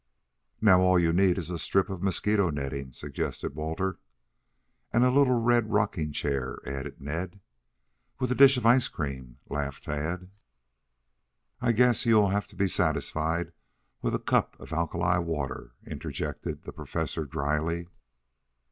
"Now, all you need is a strip of mosquito netting," suggested Walter. "And a little red rocking chair," added Ned. "With a dish of ice cream," laughed Tad. "I guess you will have to be satisfied with a cup of alkali water," interjected the Professor, dryly.